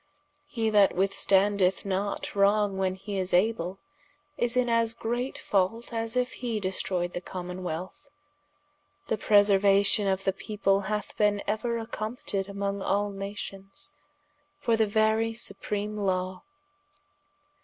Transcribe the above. He that withstandeth not wrong when hee is able, is in as great fault, as if he destroyed the Commonwealth. The preseruation of the people hath bene euer accompted among all nations, for the very supreame Law.